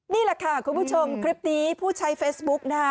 นี่แหละค่ะคุณผู้ชมคลิปนี้ผู้ใช้เฟซบุ๊กนะฮะ